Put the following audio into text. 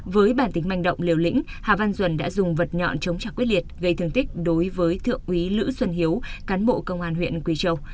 với bản tính manh động liều lĩnh hà văn duẩn đã dùng vật nhọn chống trả quyết liệt gây thương tích đối với thượng úy lữ xuân hiếu cán bộ công an huyện quỳ châu